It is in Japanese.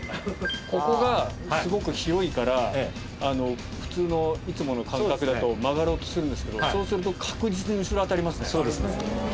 ここがすごく広いから、普通のいつもの感覚だと曲がろうとするんですけど、そうすると、確実に後そうですね。